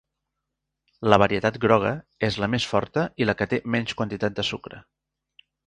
La varietat groga és la més forta i la que té menys quantitat de sucre.